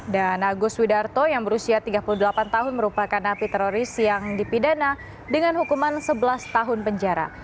dan agus widarto yang berusia tiga puluh delapan tahun merupakan napi teroris yang dipidana dengan hukuman sebelas tahun penjara